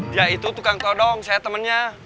dia itu tukang todong saya temennya